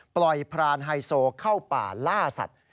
พรานไฮโซเข้าป่าล่าสัตว์